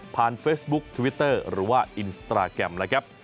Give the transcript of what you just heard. เฟซบุ๊คทวิตเตอร์หรือว่าอินสตราแกรมนะครับ